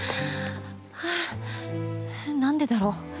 はぁ何でだろう？